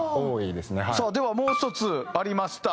さあではもう一つありました。